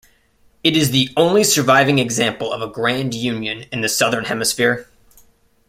It is the only surviving example of a grand union in the southern hemisphere.